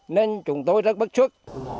nên chúng tôi rất bất chuốc